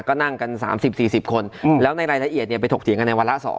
ก็นั่งกัน๓๐๔๐คนแล้วในรายละเอียดเนี่ยไปถกเถียงกันในวาระ๒